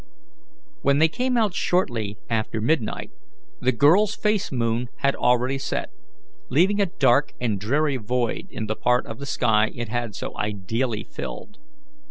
When they came out shortly after midnight the girl's face moon had already set, leaving a dark and dreary void in the part of the sky it had so ideally filled.